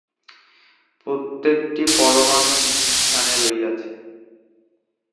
প্রত্যেকটি পরমাণু নিজ স্থানে রহিয়াছে।